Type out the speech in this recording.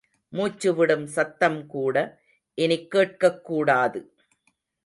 மூச்சுவிடும் சத்தம் கூட இனி கேட்கக் கூடாது.